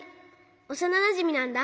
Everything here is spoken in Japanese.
おさななじみなんだ。